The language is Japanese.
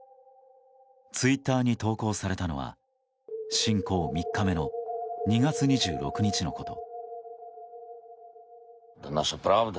ツイッターに投稿されたのは侵攻３日目の２月２６日のこと。